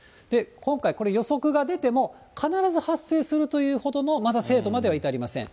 今回これ、予測が出ても、必ず発生するというほどのまだ精度までは至りません。